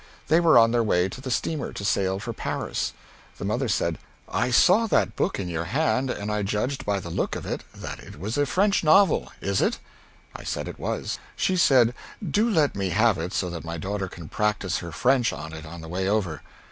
They were on their way to the steamer to sail for Paris. The mother said, "'I saw that book in your hand and I judged by the look of it that it was a French novel. Is it?' "I said it was. "She said, 'Do let me have it, so that my daughter can practise her French on it on the way over.'